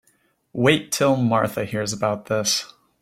Wait till Martha hears about this.